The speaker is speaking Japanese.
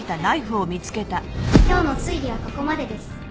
「今日の推理はここまでです」